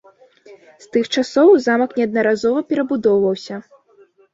З тых часоў замак неаднаразова перабудоўваўся.